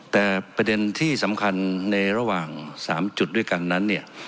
แต่ประเด็นที่สำคัญในระหว่าง๓จุดด้วยกันนั้นเนี่ย